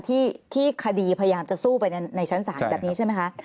ที่คดีพยายามจะสู้ไปในชั้นศาลแบบนี้ใช่ไหมคะ